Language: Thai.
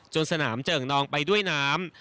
จนสนามเจอกนองไปด้วยน้ำ